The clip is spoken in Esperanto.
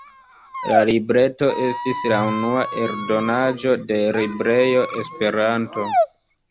La libreto estis la unua eldonaĵo de librejo “Esperanto”.